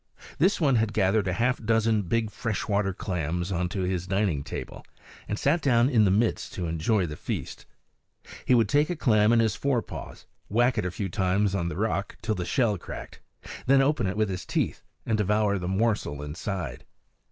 This one had gathered a half dozen big fresh water clams onto his dining table, and sat down in the midst to enjoy the feast. He would take a clam in his fore paws, whack it a few times on the rock till the shell cracked, then open it with his teeth and devour the morsel inside.